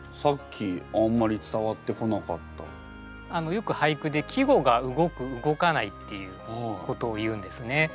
よく俳句で季語が動く動かないっていうことを言うんですね。